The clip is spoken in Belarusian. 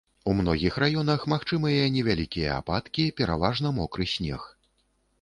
У многіх раёнах магчымыя невялікія ападкі, пераважна мокры снег.